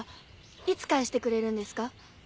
いつ返してくれるんですか？